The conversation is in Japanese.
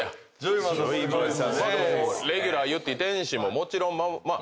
レギュラーゆってぃ天津ももちろんまあ